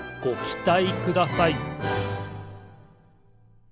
ごきたいください！